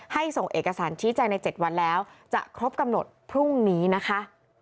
ส่งเอกสารชี้แจงใน๗วันแล้วจะครบกำหนดพรุ่งนี้นะคะ